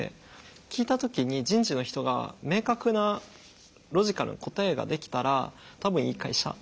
聞いた時に人事の人が明確なロジカルな答えができたら多分いい会社。